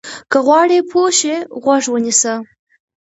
که غواړې پوه شې، غوږ ونیسه.